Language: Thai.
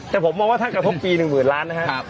แต่ผมต้องมองว่าถ้ากระทบปีหนึ่งหมื่นล้านนะค่ะ